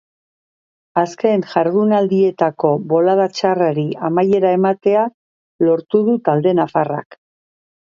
Azken jardunaldietako bolada txarrari amaiera ematea lortu du talde nafarrak.